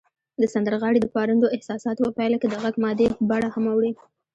د سندرغاړي د پارندو احساساتو په پایله کې د غږ مادي بڼه هم اوړي